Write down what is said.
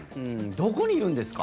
どこにいるんですか？